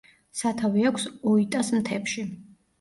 სათავე აქვს ოიტას მთებში.